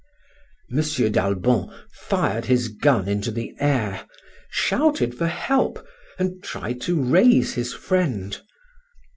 M. d'Albon fired his gun into the air, shouted for help, and tried to raise his friend.